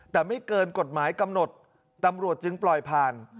แต่ไม่เกินกฎหมายกำหนดตำรวจจึงปล่อยผ่าน